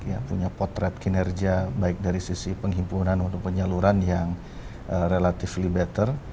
yang punya potret kinerja baik dari sisi penghimpunan untuk penyaluran yang relatively better